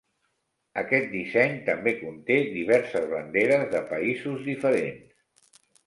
Aquest disseny també conté diverses banderes de països diferents.